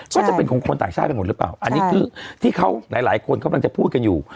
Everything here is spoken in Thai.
ก็จะเป็นของคนต่างชาติไปหมดหรือเปล่าอันนี้คือที่เขาหลายหลายคนกำลังจะพูดกันอยู่